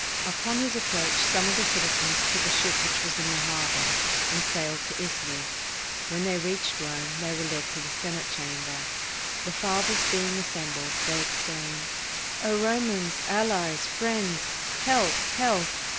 Upon his approach some of the citizens took a ship which was in the harbor, and sailed to Italy. When they reached Rome, they were led to the Senate Chamber. The fathers being assembled, they exclaimed, "O Ro mans, allies, friends, help! help!